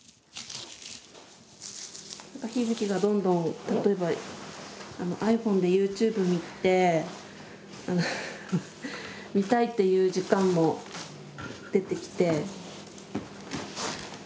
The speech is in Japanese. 日々貴がどんどん例えばｉＰｈｏｎｅでＹｏｕＴｕｂｅ見て見たいっていう時間も出てきて。